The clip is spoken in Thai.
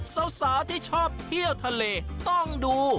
สาวที่ชอบเที่ยวทะเลต้องดู